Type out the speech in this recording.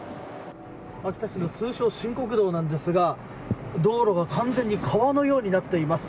秋田市の通称新国道なんですが道路が完全に川のようになっています。